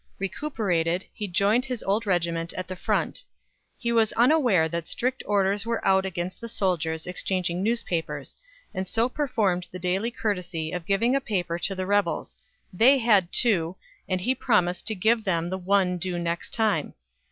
Recuperated, he joined his old regiment at the front. He was unaware that strict orders were out against the soldiers exchanging newspapers, and so performed the daily courtesy of giving a paper to the rebels; they had two, and he promised to give them the one due next time.